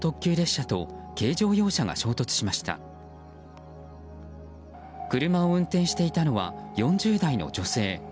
車を運転していたのは４０代の女性。